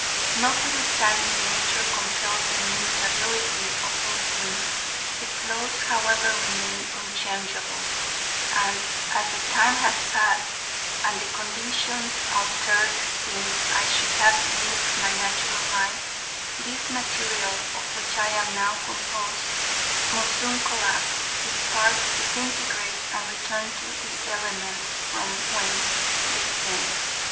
Notwithstanding nature compels the mutability of all things, its laws however remain unchangeable, and as the time has passed and the conditions altered since I should have lived my natural life, this material of which I am now composed must soon collapse, its parts disintegrate and return to the elements from whence they came.